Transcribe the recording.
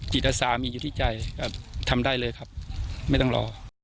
จิตอาสามีอยู่ที่ใจก็ทำได้เลยครับไม่ต้องรอ